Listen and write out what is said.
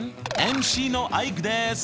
ＭＣのアイクです！